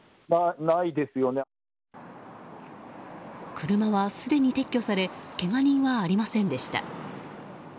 車は、すでに撤去されけが人はありませんでした。